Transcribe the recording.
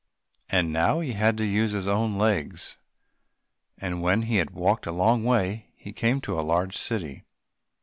And now he had to use his own legs, and when he had walked a long way, he came to a large city.